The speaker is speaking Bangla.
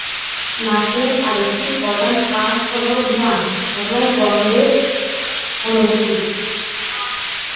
নাকের আরেকটি প্রধান কাজ হল ঘ্রাণ এবং গন্ধের অনুভূতি।